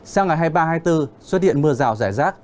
sang ngày hai mươi ba hai mươi bốn xuất hiện mưa rào rải rác